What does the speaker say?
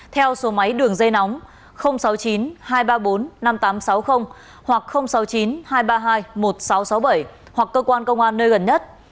theo số máy đường dây nóng sáu mươi chín hai trăm ba mươi bốn năm nghìn tám trăm sáu mươi hoặc sáu mươi chín hai trăm ba mươi hai một nghìn sáu trăm sáu mươi bảy hoặc cơ quan công an nơi gần nhất